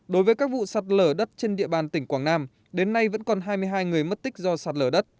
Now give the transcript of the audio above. đối với các vụ sạt lở đất trên địa bàn tỉnh quảng nam đến nay vẫn còn hai mươi hai người mất tích do sạt lở đất